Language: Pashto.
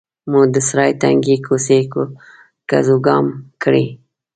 مو د سرای تنګې کوڅې ګزوګام کړې.